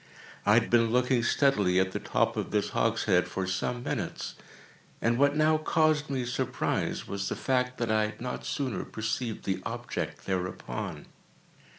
I had been looking steadily at the top of this hogshead for some minutes, and what now caused me surprise was the fact that I had not sooner perceived the object thereupon.